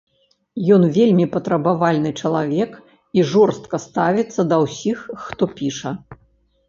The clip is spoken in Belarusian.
Ён вельмі патрабавальны чалавек і жорстка ставіцца да ўсіх, хто піша.